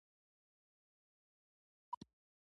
هنرمنان پر بهرنیو پېښو تمرکز کوي او په تقلید کې یې ښيي